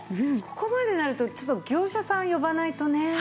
ここまでになるとちょっと業者さん呼ばないとね。